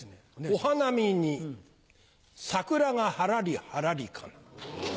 お花見に桜がはらりはらりかな。